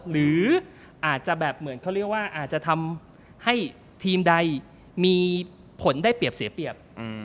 หรืออาจจะแบบเหมือนเขาเรียกว่าอาจจะทำให้ทีมใดมีผลได้เปรียบเสียเปรียบ